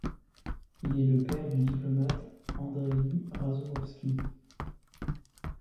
Il est le père du diplomate Andreï Razoumovski.